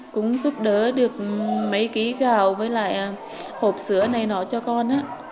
cũng giúp đỡ được mấy ký gạo với lại hộp sữa này nó cho con